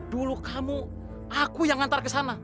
dulu kamu aku yang ngantar ke sana